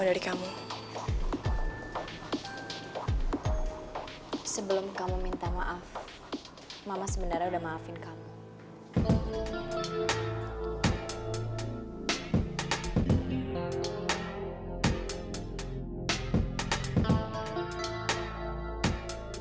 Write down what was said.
sebelum kamu minta maaf mama sebenarnya udah maafin kamu